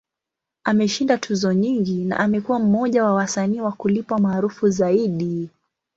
Ameshinda tuzo nyingi, na amekuwa mmoja wa wasanii wa kulipwa maarufu zaidi.